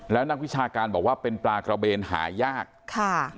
แล้วนักวิชาการบอกว่าเป็นปลากระเบนหายากค่ะ